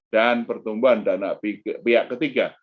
dan pertumbuhan dana pihak ketiga